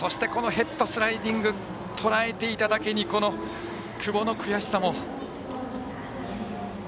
ヘッドスライディングとらえていただけに久保の悔しさも。